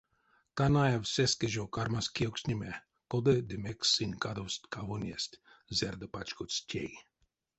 Канаев сеске жо кармась кевкстнеме, кода ды мекс сынь кадовсть кавонест, зярдо пачкодсть тей.